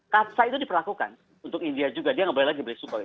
kapsa itu diperlakukan untuk india juga dia nggak boleh lagi beli sukhoi